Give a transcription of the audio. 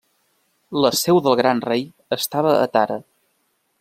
La seu del Gran Rei estava a Tara.